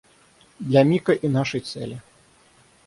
Для Мика и нашей цели.